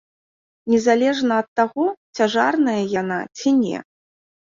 Незалежна ад таго, цяжарная яна ці не.